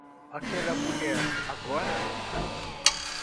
Aquela mulher agora